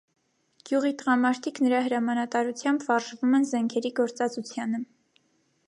Գյուղի տղամարդիկ նրա հրամանատարությամբ վարժվում են զենքերի գործածությանը։